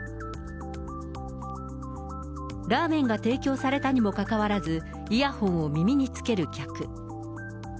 ラーメンが提供されたにもかかわらず、イヤホンを耳につける客。